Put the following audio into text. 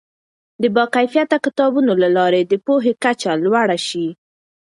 د باکیفیته کتابونو له لارې د پوهې کچه لوړه شي.